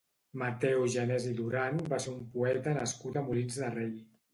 Mateu Janés i Duran va ser un poeta nascut a Molins de Rei.